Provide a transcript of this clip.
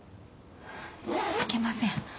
いけません。